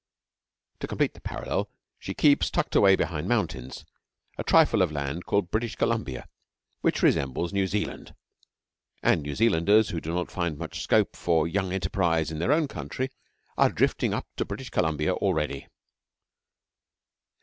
To complete the parallel, she keeps, tucked away behind mountains, a trifle of land called British Columbia, which resembles New Zealand; and New Zealanders who do not find much scope for young enterprise in their own country are drifting up to British Columbia already.